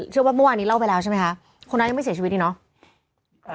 เชื่อว่าเมื่อวานนี้เล่าไปแล้วใช่ไหมคะคนร้ายยังไม่เสียชีวิตนี่เนาะ